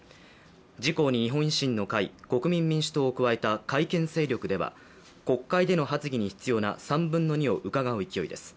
自・公、日本維新の会、国民民主党を加えた改憲勢力では国会での発議に必要な３分の２をうかがう勢いです。